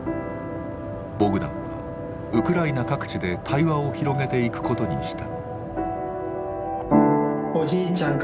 ボグダンはウクライナ各地で対話を広げていくことにした。